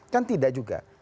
kan tidak juga